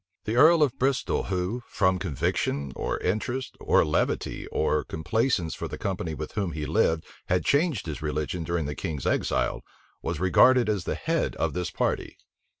The earl of Bristol, who, from conviction, or interest, or levity, or complaisance for the company with whom he lived, had changed his religion during the king's exile, was regarded as the head of this party.